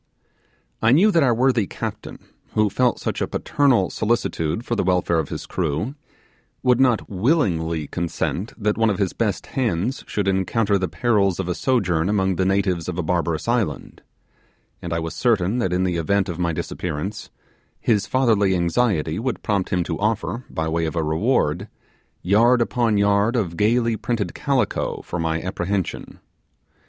I knew that our worthy captain, who felt, such a paternal solicitude for the welfare of his crew, would not willingly consent that one of his best hands should encounter the perils of a sojourn among the natives of a barbarous island; and I was certain that in the event of my disappearance, his fatherly anxiety would prompt him to offer, by way of a reward, yard upon yard of gaily printed calico for my apprehension.